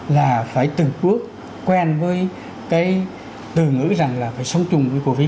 là phải từng bước quen với cái từ ngữ rằng là phải sống chung với covid một